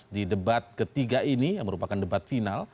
di debat ketiga ini yang merupakan debat final